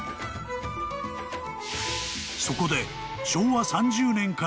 ［そこで］